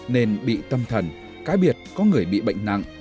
nên bị tâm thần cái biệt có người bị bệnh nặng